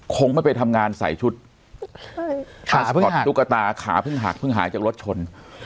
คงไม่ไปทำงานใส่ชุดช็อตตุ๊กตาขาเพิ่งหักเพิ่งหายจากรถชน